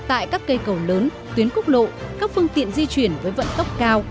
ở những cầu lớn tuyến cốc lộ các phương tiện di chuyển với vận tốc cao